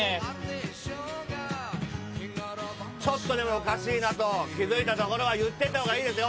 ちょっとでもおかしいなと気付いたところは言ってったほうがいいですよ